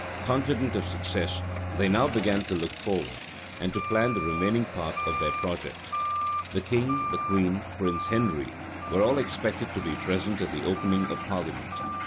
Confident of success, they now began to look forward, and to plan the remaining part of their project. The king, the queen, Prince Henry, were all expected to be present at the opening of parliament.